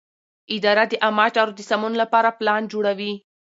اداره د عامه چارو د سمون لپاره پلان جوړوي.